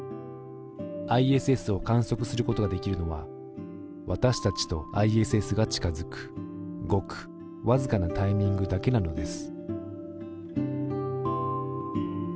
ＩＳＳを観測することができるのは私たちとＩＳＳが近づくごく僅かなタイミングだけなのです。